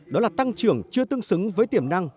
đó là tăng trưởng chưa tương xứng với tiềm năng